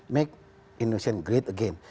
make indonesia great again